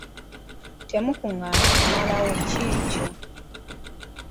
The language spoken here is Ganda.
Tegukugaana kumalawo kikyo.